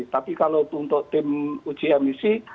tapi kalau untuk tim uji emisi